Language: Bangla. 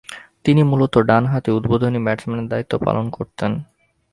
তিনি মূলতঃ ডানহাতি উদ্বোধনী ব্যাটসম্যানের দায়িত্ব পালন করতেন।